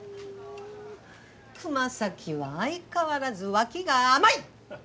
熊咲は相変わらず脇が甘い！